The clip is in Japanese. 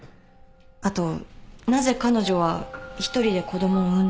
あとなぜ彼女は一人で子供を産んだのか。